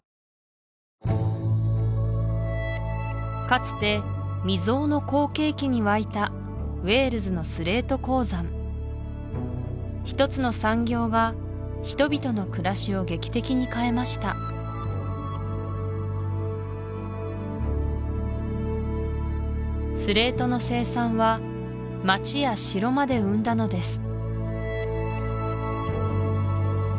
かつて未曽有の好景気に沸いたウェールズのスレート鉱山一つの産業が人々の暮らしを劇的に変えましたスレートの生産は町や城まで生んだのです